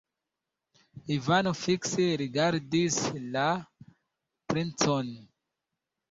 Ivano fikse rigardis la princon.